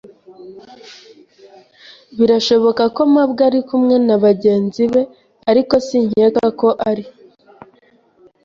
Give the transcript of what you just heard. Birashoboka ko mabwa ari kumwe nabagenzi be, ariko sinkeka ko ari.